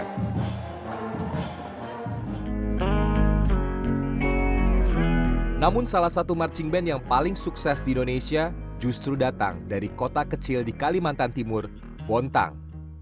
namun salah satu marching band yang paling sukses di indonesia justru datang dari kota kecil di kalimantan timur bontang